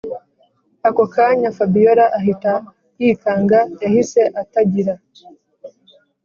akokanya fabiora ahita yikanga, yahise atagira